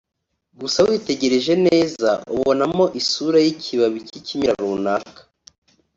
gusa witegereje neza ubonamo isura y’ikibabi cy’ikimera runaka